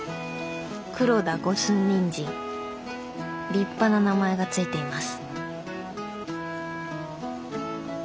立派な名前が付いています。